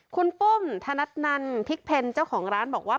คุณปุ้มธนัดนันพิกเพ็ญเจ้าของร้านบอกว่า